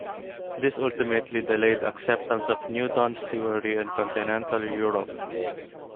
This ultimately delayed acceptance of Newton's theory in continental Europe.